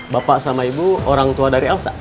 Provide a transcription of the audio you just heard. bapak sama ibu orang tua dari elsa